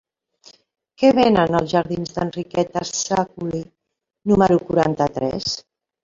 Què venen als jardins d'Enriqueta Sèculi número quaranta-tres?